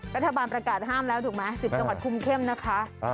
รัฐบาลประกาศห้ามแล้วถูกไหม๑๐จังหวัดคุมเข้มนะคะ